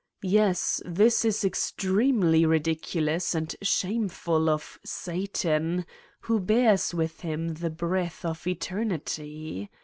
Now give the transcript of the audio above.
Yes, this is extremely ridiculous and shameful of Satan, who bears with him the breath of eternity.